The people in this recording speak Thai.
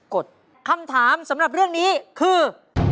กฎคำถามสำหรับเรื่องนี้คือ